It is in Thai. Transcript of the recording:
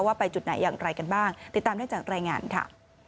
ว่าไปจุดไหนอย่างไรกันบ้างติดตามได้จากรายงานค่ะ